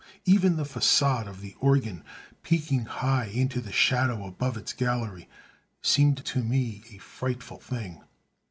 Even the façade of the organ, peaking high into the shadow above its gallery, seemed to me a frightful thing....